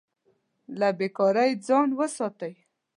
له بې کارۍ ځان وساتئ.